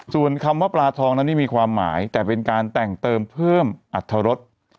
ส่วนคำว่าปลาทองนั้นนี่มีความหมายแต่เป็นการแต่งเติมเพิ่มอัตรรส